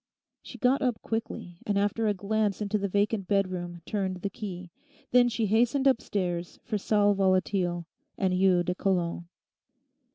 She got up quickly, and after a glance into the vacant bedroom turned the key; then she hastened upstairs for sal volatile and eau de cologne....